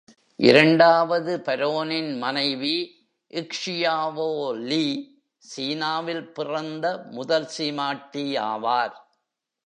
இரண்டாவது பரோனின் மனைவி, ஹ்சியாவோ லி, சீனாவில் பிறந்த முதல் சீமாட்டி ஆவார்.